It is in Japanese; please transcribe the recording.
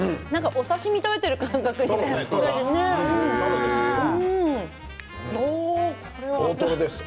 お刺身を食べている感覚になりますね。